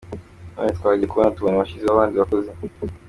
None twagiye kubona tubona bashyizemo abandi bakozi.